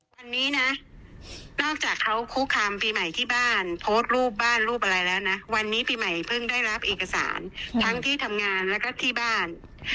วันนี้นะนอกจากเขาคุกคามปีใหม่ที่บ้านโพสต์รูปบ้านรูปอะไรแล้วนะวันนี้ปีใหม่เพิ่งได้รับเอกสารทั้งที่ทำงานแล้วก็ที่บ้าน